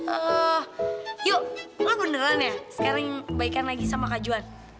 eh yuk beneran ya sekarang baikan lagi sama kak juan